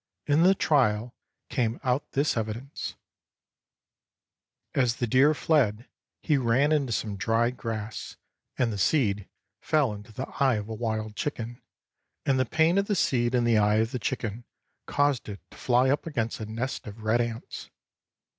In the trial came out this evidence :— As the deer fled, he ran into some dry grass, and the seed fell into the eye of a wild chicken, and the pain of the seed in the eye of the chicken caused it to fly up against a nest of red ants.